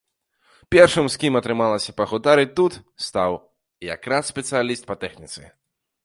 Першым, з кім атрымалася пагутарыць тут, стаў як раз спецыяліст па тэхніцы.